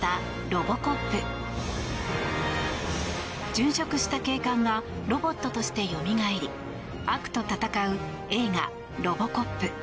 殉職した警官がロボットとしてよみがえり悪と戦う映画「ロボコップ」。